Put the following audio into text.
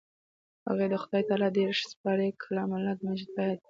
هغې د خدای تعالی دېرش سپارې کلام الله مجيد په ياد دی.